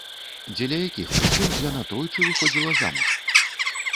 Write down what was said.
Дзеля якіх прычын яна тройчы выходзіла замуж?